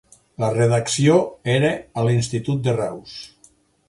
La redacció era a l'Institut de Reus.